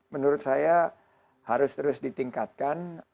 menurut saya harus terus ditingkatkan